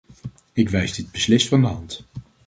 Ik wijs dit beslist van de hand.